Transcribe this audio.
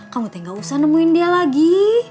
kamu tuh gak usah nemuin dia lagi